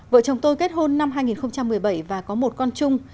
vợ chồng tôi kết hôn năm hai nghìn một mươi bảy và có một con chung